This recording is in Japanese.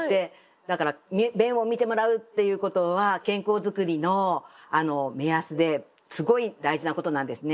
だから便を見てもらうっていうことは健康作りの目安ですごい大事なことなんですね。